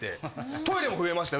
トイレも増えましたよ。